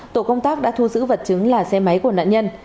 tổ công tác đã thu giữ vật chứng là xe máy của nạn nhân